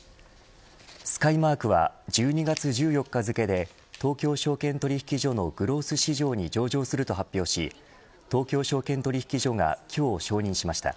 スカイマークは１２月１４日付けで東京証券取引所のグロース市場に上場すると発表し東京証券取引所が今日承認しました。